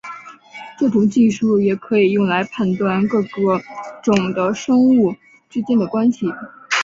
这种技术也可以用来判断各个种的生物之间的关系。